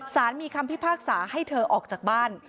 สารมีคำพิพากษาให้เธอออกจากบ้าน